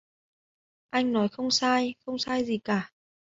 Anh nói không sai không sai gì cả